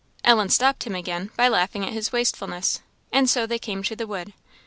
Ellen stopped him again, by laughing at his wastefulness; and so they came to the wood.